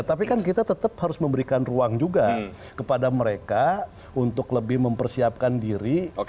tapi kan kita tetap harus memberikan ruang juga kepada mereka untuk lebih mempersiapkan diri